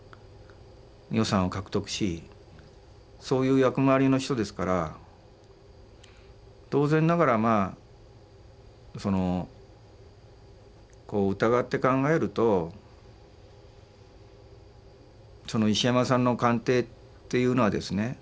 予算を獲得しそういう役回りの人ですから当然ながらまあ疑って考えるとその石山さんの鑑定っていうのはですね